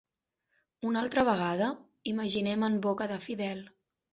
"Una altra vegada?" —imaginem en boca de Fidel—.